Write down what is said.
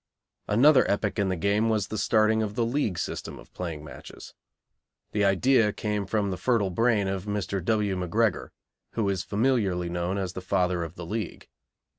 Another epoch in the game was the starting of the League system of playing matches. The idea came from the fertile brain of Mr. W. MacGregor, who is familiarly known as the Father of the League.